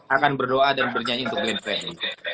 akan berdoa dan bernyanyi untuk glenn fredly